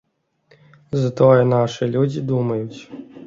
Затое нашы людзі думаюць.